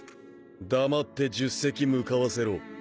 黙って１０隻向かわせろ。